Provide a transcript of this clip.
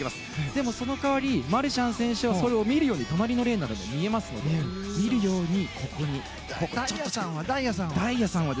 でもその代わりマルシャン選手はそれを見るように隣のレーンなので見えますから大也さんは？